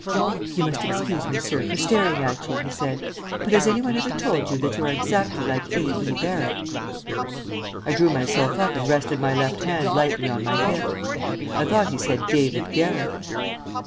"You must excuse me, sir, for staring at you," he said, "but has any one ever told you that you are exactly like A. E. Barrett?" I drew myself up and rested my left hand lightly on my hip. I thought he said David Garrick.